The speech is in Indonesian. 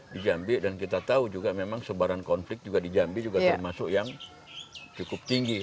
di jambi dan kita tahu juga memang sebaran konflik juga di jambi juga termasuk yang cukup tinggi